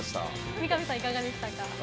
三上さん、いかがですか？